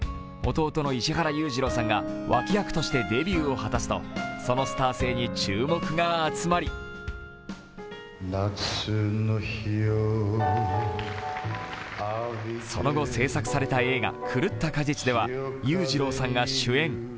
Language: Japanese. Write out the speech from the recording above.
弟の石原裕次郎さんが脇役としてデビューを果たすと、そのスター性に注目が集まりその後製作された映画「狂った果実」では裕次郎さんが主演。